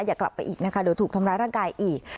อย่ากลับไปอีกนะคะเดี๋ยวถูกทำร้ายร่างกายอีก